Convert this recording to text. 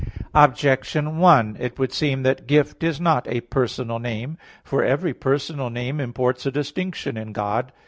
Objection 1: It would seem that "Gift" is not a personal name. For every personal name imports a distinction in God.